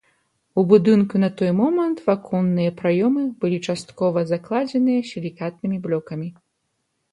У будынку на той момант аконныя праёмы былі часткова закладзеныя сілікатнымі блокамі.